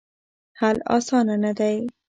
حل اسانه نه دی.